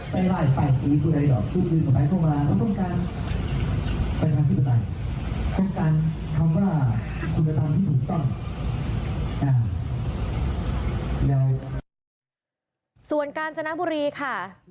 ส่วนกาญจนบุรีค่ะ